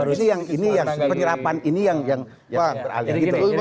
jadi yang ini yang penyerapan ini yang beralih